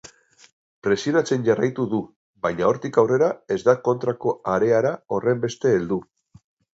Presionatzen jarraitu du, baina hortik aurrera ez da kontrako areara horrenbeste heldu.